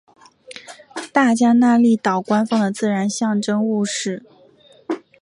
大加那利岛官方的自然象征物是。